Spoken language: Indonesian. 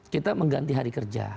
kita mengganti hari kerja